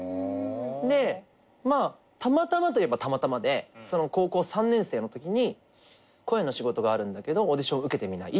でたまたまといえばたまたまで高校３年生のときに「声の仕事があるんだけどオーディション受けてみない？」